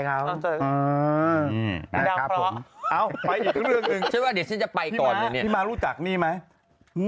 ของกุมแม่มาก